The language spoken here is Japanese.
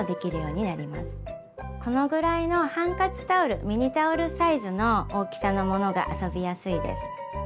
このぐらいのハンカチタオルミニタオルサイズの大きさのものが遊びやすいです。